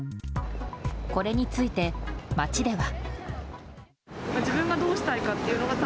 これについて、街では。